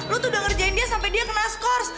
lu tuh udah ngerjain dia sampai dia kena skors